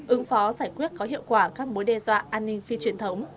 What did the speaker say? ứng phó giải quyết có hiệu quả các mối đe dọa an ninh phi truyền thống